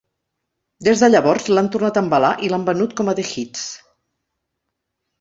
Des de llavors l'han tornat a embalar i l'han venut com a The Hits.